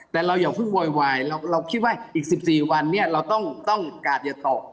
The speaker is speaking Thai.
แต่เราอย่าเพิ่งโวยวายเราคิดว่าอีก๑๔วันเนี่ยเราต้องกาดอย่าตก